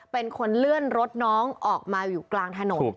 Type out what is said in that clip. เป็นคนเลื่อนรถน้องออกมาอยู่กลางถนน